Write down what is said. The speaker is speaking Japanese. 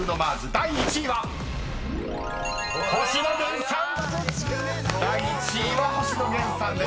［第１位は星野源さんです］